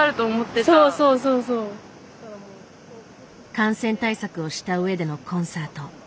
感染対策をしたうえでのコンサート。